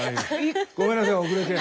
ごめんなさい遅れて。